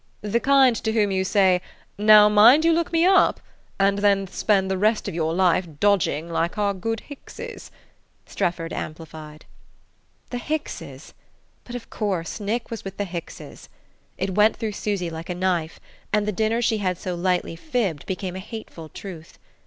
"The kind to whom you say, 'Now mind you look me up'; and then spend the rest of your life dodging like our good Hickses," Strefford amplified. The Hickses but, of course, Nick was with the Hickses! It went through Susy like a knife, and the dinner she had so lightly fibbed became a hateful truth.